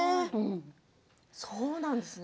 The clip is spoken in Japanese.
そうなんですね。